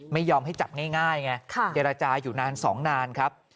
ไม่ยอมให้จับง่ายไงเจรจาอยู่นาน๒นานครับ